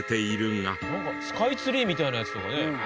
なんかスカイツリーみたいなやつとかね。